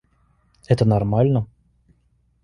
Это нормально?